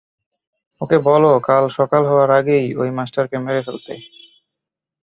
ওকে বল কাল সকাল হওয়ার আগেই ওই মাস্টারকে মেরে ফেলতে।